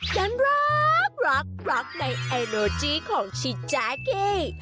จันรกรักรักในเนอโนจี้ของชิจ๊ากคลิก